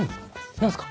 何すか？